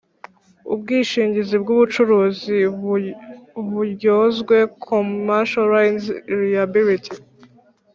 Ubwishingizi bw ubucuruzi uburyozwe Commercial Lines liability